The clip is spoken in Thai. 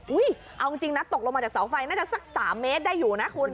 เอาจริงนะตกลงมาจากเสาไฟน่าจะสัก๓เมตรได้อยู่นะคุณ